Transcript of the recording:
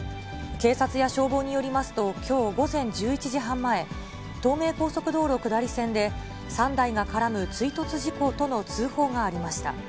警察や消防によりますと、きょう午前１１時半前、東名高速道路下り線で、３台が絡む追突事故との通報がありました。